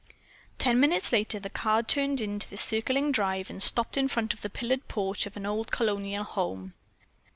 Ten minutes later the car turned into the circling drive and stopped in front of the pillared porch of an old colonial home.